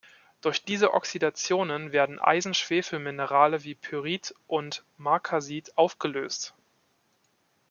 Durch diese Oxidationen werden Eisen-Schwefel-Minerale wie Pyrit und Markasit aufgelöst.